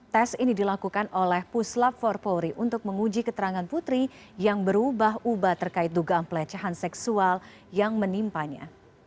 tes ini dilakukan oleh puslap for polri untuk menguji keterangan putri yang berubah ubah terkait dugaan pelecehan seksual yang menimpanya